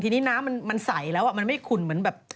ทีนี้น้ำมันใสแล้วมันไม่ขุ่นเหมือนแบบ